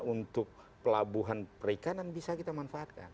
untuk pelabuhan perikanan bisa kita manfaatkan